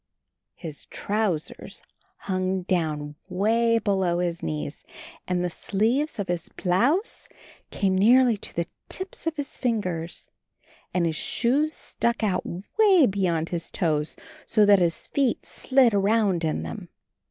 His trousers hung down way below his knees, and the sleeves of his blouse came nearly to the tips of his fingers, and his shoes stuck out way beyond his toes, so that his feet slid around in them.